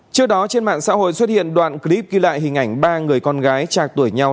trước đó trên mạng xã hội xuất hiện đoạn clip ghi lại hình ảnh ba người con gái chạc tuổi nhau